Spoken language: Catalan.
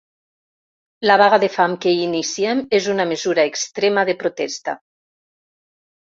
La vaga de fam que iniciem és una mesura extrema de protesta.